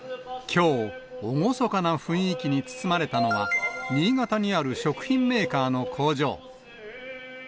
きょう、厳かな雰囲気に包まれたのは、新潟にある食品メーカーの工場。